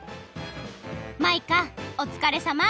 マイカおつかれさま！